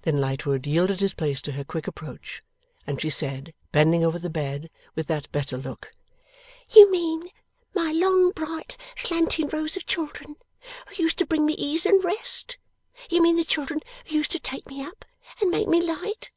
Then, Lightwood yielded his place to her quick approach, and she said, bending over the bed, with that better look: 'You mean my long bright slanting rows of children, who used to bring me ease and rest? You mean the children who used to take me up, and make me light?